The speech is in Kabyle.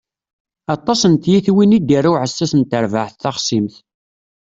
Aṭas n tyitwin i d-irra uɛessas n terbaɛt taxṣimt.